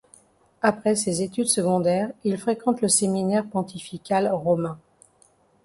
Après ses études secondaires, il fréquente le séminaire pontifical romain.